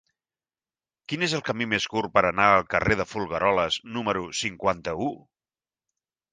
Quin és el camí més curt per anar al carrer de Folgueroles número cinquanta-u?